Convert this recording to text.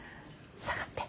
下がって。